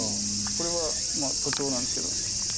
これは徒長なんですけど。